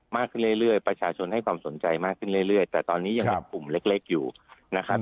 ขึ้นเรื่อยประชาชนให้ความสนใจมากขึ้นเรื่อยแต่ตอนนี้ยังเป็นกลุ่มเล็กอยู่นะครับ